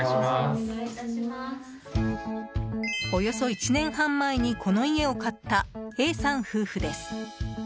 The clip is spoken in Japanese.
およそ１年半前にこの家を買ったＡさん夫婦です。